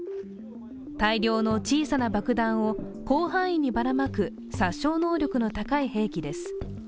大量の小さな爆弾を広範囲にばらまく殺傷能力の高い兵器です。